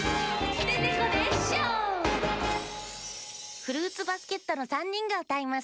フルーツバスケットのさんにんがうたいます。